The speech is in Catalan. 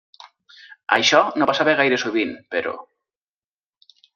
Això no passava gaire sovint, però.